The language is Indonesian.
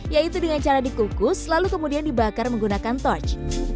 yaitu dengan cara dikukus lalu kemudian dibakar menggunakan torch